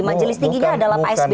majelis tingginya adalah psb